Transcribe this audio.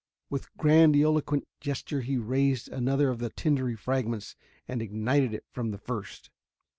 With grandiloquent gesture he raised another of the tindery fragments and ignited it from the first.